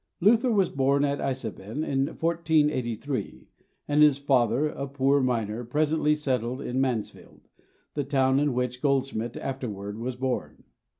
Luther was born at Eisleben in 1483, and his father, a poor miner, presently settled at Mansfeld, the town in which Goldschmid afterwards was born.